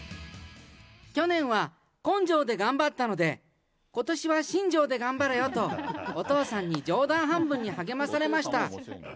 去年は根性で頑張ったので、ことしは新庄で頑張れよと、お父さんに冗談半分に励まされました。